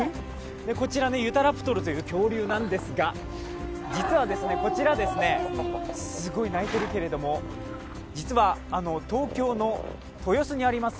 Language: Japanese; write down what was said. こちらユタラプトルという恐竜なんですが実はこちら、すごい鳴いてるけれども、実は東京の豊洲にあります